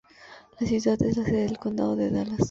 La ciudad es la sede del condado de Dallas.